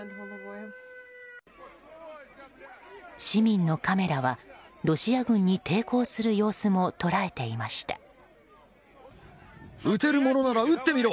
市民のカメラは、ロシア軍に抵抗する様子も捉えていました。